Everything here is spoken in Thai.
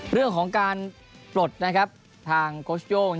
เรื่องของการปลดนะครับทางโค้ชโย่ง